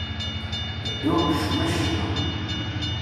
Ddu cemma-cemma.